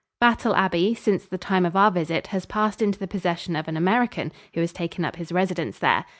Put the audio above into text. Battle Abbey, since the time of our visit, has passed into the possession of an American, who has taken up his residence there.